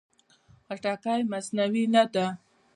خټکی مصنوعي نه ده.